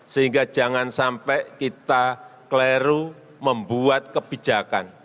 sehingga jangan sampai kita kleru membuat kebijakan